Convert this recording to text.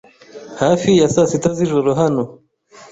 Hafi ya saa sita z'ijoro hano.